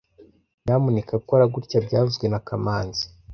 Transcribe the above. Nyamuneka kora gutya byavuzwe na kamanzi